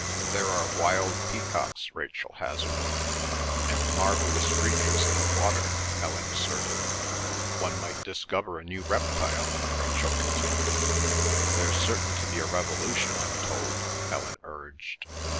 "There are wild peacocks," Rachel hazarded. "And marvellous creatures in the water," Helen asserted. "One might discover a new reptile," Rachel continued. "There's certain to be a revolution, I'm told," Helen urged.